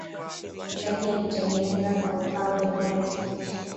mahitaji ya kutengeneza kaukau ya viazi lishe